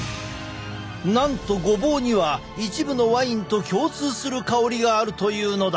なんとごぼうには一部のワインと共通する香りがあるというのだ！